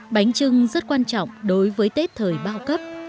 bánh trưng rất quan trọng đối với tết thời bao cấp